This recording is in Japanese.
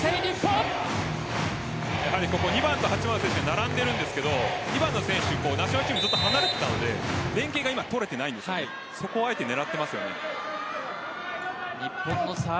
２番と８番の選手が並んでいるんですが２番の選手ずっとナショナルチーム離れていたので連係が取れていないのでそこをあえて狙っていますよね。